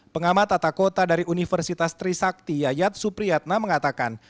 pengamat atakota dari universitas trisakti yayat supriyatna mengatakan